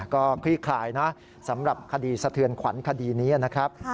ก็คลี่คลายนะสำหรับคดีสะเทือนขวัญคดีนี้นะครับ